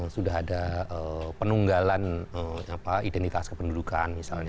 sudah ada penunggalan identitas kependudukan misalnya